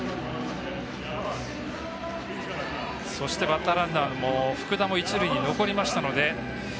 バッターランナー福田も一塁に残りました。